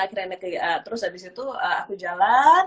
akhirnya mereka terus abis itu aku jalan